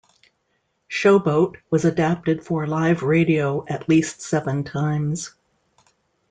"Show Boat" was adapted for live radio at least seven times.